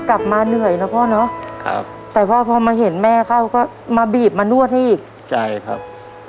กลับมาเหนื่อยนะพ่อเนอะครับแต่พอพอมาเห็นแม่เข้าก็มาบีบมานวดให้อีกใช่ครับ